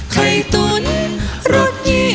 ไข่ตุ๋นรุดยี่ว